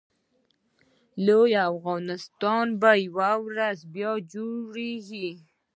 لوی افغانستان به یوه ورځ بیا جوړېږي